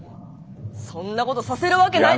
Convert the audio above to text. そんなことさせるわけないだろ。